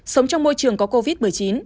sống trong môi trường có covid một mươi chín